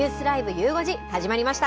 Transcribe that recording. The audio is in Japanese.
ゆう５時始まりました。